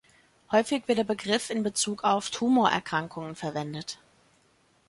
Häufig wird der Begriff in Bezug auf Tumorerkrankungen verwendet.